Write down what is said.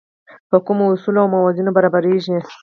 په کومو اصولو او موازینو برابرېږي.